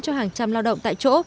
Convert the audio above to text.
cho hàng trăm lao động tại chỗ